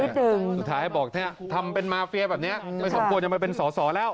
สุดท้ายบอกเนี่ยทำเป็นมาเฟียแบบนี้ไม่สมควรจะมาเป็นสอสอแล้ว